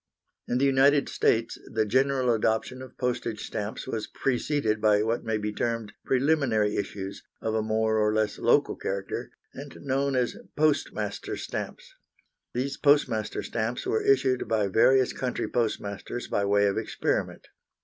In the United States the general adoption of postage stamps was preceded by what may be termed preliminary issues, of a more or less local character, and known as "Postmaster stamps." These "Postmaster stamps" were issued by various country postmasters by way of experiment.